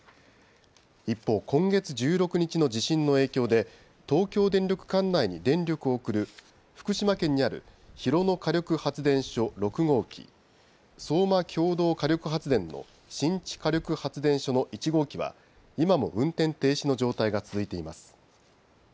一方、今月１６日の地震の影響で東京電力管内に電力を送る福島県にある広野火力発電所６号機、相馬共同火力発電の新地火力発電所の１号機は今も運転停止の状態が続いています。